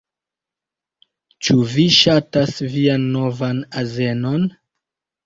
Ĉu vi ŝatas vian novan azenon?